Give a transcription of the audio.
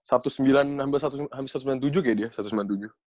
satu sembilan hampir satu sembilan tujuh kayak dia